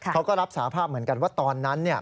เขาก็รับสาภาพเหมือนกันว่าตอนนั้นเนี่ย